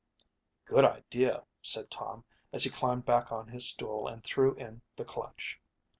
"Good idea," said Tom as he climbed back on his stool and threw in the clutch.